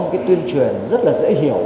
cái tuyên truyền rất là dễ hiểu